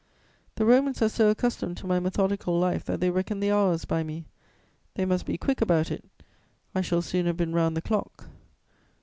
"The Romans are so accustomed to my 'methodical' life that they reckon the hours by me. They must be quick about it; I shall soon have been round the clock."